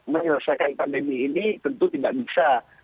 menyelesaikan pandemi ini tentu tidak bisa